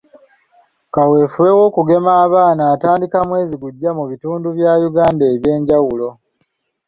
Kaweefube w'okugema abaana atandika mwezi gujja mu bitundu bya Uganda eby'enjawulo.